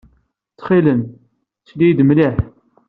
Ttxil-m, sel-iyi-d mliḥ.